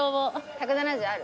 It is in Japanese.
１７０ある？